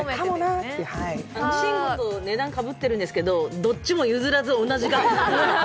慎吾と値段かぶっているんですけど、どっちも譲らず同じ値段で。